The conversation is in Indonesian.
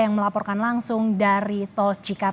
yang melaporkan langsung dari tol cikampek